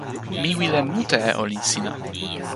mi wile mute e olin sina!